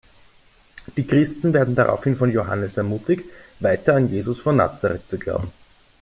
Die Christen werden daraufhin von Johannes ermutigt, weiterhin an Jesus von Nazaret zu glauben.